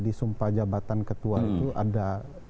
di sumpah jabatan ketua itu ada